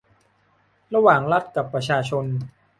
ระหว่างรัฐกับประชาชน